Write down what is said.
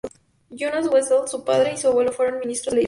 Jonas Wessel, su padre, y su abuelo fueron ministros en la iglesia.